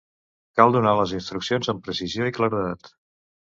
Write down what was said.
Cal donar les instruccions amb precisió i claredat.